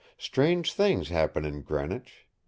Strange things happen in Greenwich.